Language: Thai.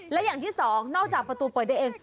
และอย่างที่สองนอกจากประตูเปิดได้เอง